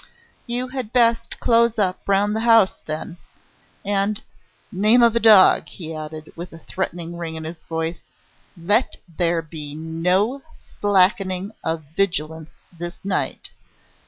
"You had best close up round the house, then. And, name of a dog!" he added, with a threatening ring in his voice. "Let there be no slackening of vigilance this night.